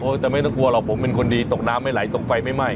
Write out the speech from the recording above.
จะไม่ต้องกลัวหรอกผมเป็นคนดีตกน้ำไม่ไหลตกไฟไม่ไหม้